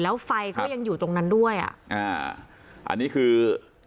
แล้วไฟก็ยังอยู่ตรงนั้นด้วยอ่ะอ่าอันนี้คือ